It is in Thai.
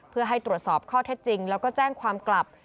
เพื่อให้ตรวจสอบข้อเท็จจริงแล้วก็แจ้งความกลับ